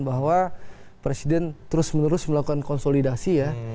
bahwa presiden terus menerus melakukan konsolidasi ya